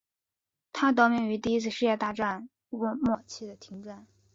它得名于第一次世界大战末期的停战。